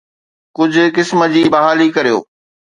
ڪجهه قسم جي بحالي ڪريو.